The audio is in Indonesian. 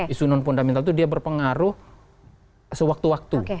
isu non fundamental itu dia berpengaruh sewaktu waktu